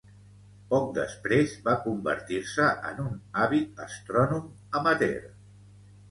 Poc després, va convertir-se en un àvid astrònom amateur.